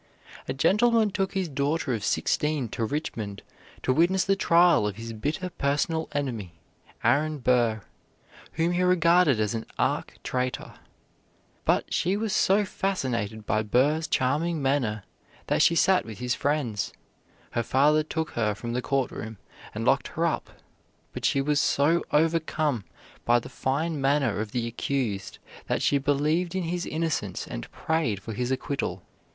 A gentleman took his daughter of sixteen to Richmond to witness the trial of his bitter personal enemy, Aaron Burr, whom he regarded as an arch traitor. But she was so fascinated by Burr's charming manner that she sat with his friends. Her father took her from the courtroom, and locked her up, but she was so overcome by the fine manner of the accused that she believed in his innocence and prayed for his acquittal.